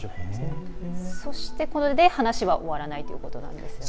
そして、これで話は終わらないということですね。